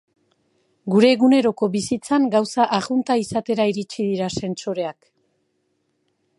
Gure eguneroko bizitzan gauza arrunta izatera iritsi dira sentsoreak.